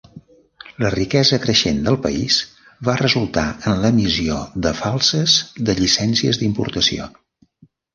La riquesa creixent del país va resultar en l'emissió de falses de llicències d'importació.